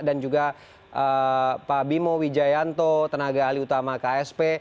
dan juga pak bimo wijayanto tenaga ali utama ksp